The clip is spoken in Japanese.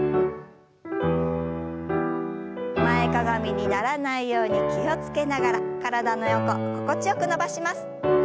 前かがみにならないように気を付けながら体の横心地よく伸ばします。